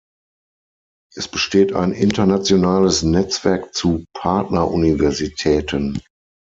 Es besteht ein internationales Netzwerk zu Partneruniversitäten.